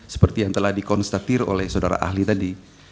seperti yang telah dikonstatir oleh saudara ahli tadi